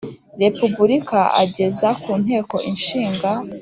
Repubulika ageza ku Nteko Ishinga